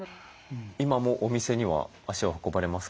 今もお店には足を運ばれますか？